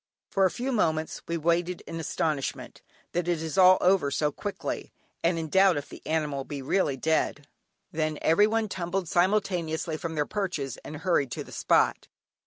For a few moments we waited in astonishment that it is all over so quickly, and in doubt if the animal be really dead. Then everyone tumbled simultaneously from their perches and hurried to the spot.